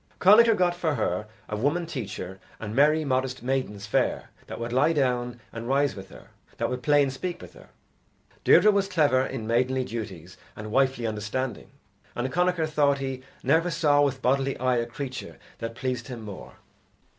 Connachar got for her a woman teacher and merry modest maidens fair that would lie down and rise with her, that would play and speak with her. Deirdre was clever in maidenly duties and wifely understanding, and Connachar thought he never saw with bodily eye a creature that pleased him more.